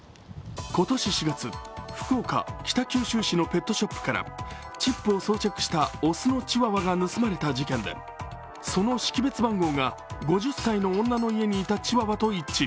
今年４月、福岡北九州市のチワワがチップを装着した雄のチワワが盗まれた事件でその識別番号が５０歳の女の家にいたチワワと一致。